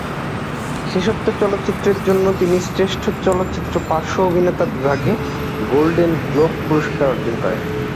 শেষোক্ত চলচ্চিত্রের জন্য তিনি শ্রেষ্ঠ চলচ্চিত্র পার্শ্ব অভিনেতা বিভাগে গোল্ডেন গ্লোব পুরস্কার অর্জন করেন।